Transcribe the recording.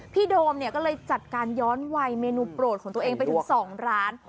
โดมเนี่ยก็เลยจัดการย้อนวัยเมนูโปรดของตัวเองไปถึง๒ร้าน